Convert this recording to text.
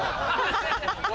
ハハハハ。